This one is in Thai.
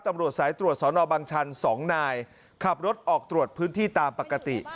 ตำรวจสายตรวจสอนอบังชัน๒นายขับรถออกตรวจพื้นที่ตามปกติ